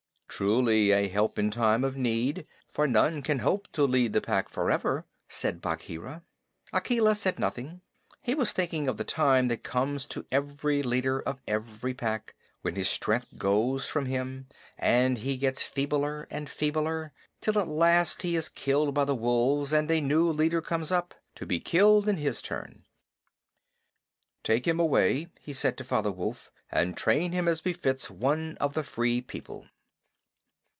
"Truly, a help in time of need; for none can hope to lead the Pack forever," said Bagheera. Akela said nothing. He was thinking of the time that comes to every leader of every pack when his strength goes from him and he gets feebler and feebler, till at last he is killed by the wolves and a new leader comes up to be killed in his turn. "Take him away," he said to Father Wolf, "and train him as befits one of the Free People."